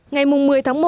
ngày một mươi tháng một